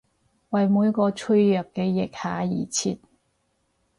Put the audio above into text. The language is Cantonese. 為每個脆弱嘅腋下而設！